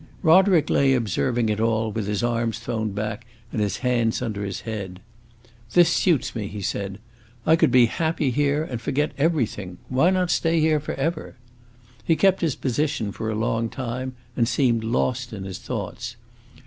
Roderick lay observing it all with his arms thrown back and his hands under his head. "This suits me," he said; "I could be happy here and forget everything. Why not stay here forever?" He kept his position for a long time and seemed lost in his thoughts.